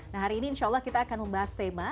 nah hari ini insyaallah kita akan membahas tema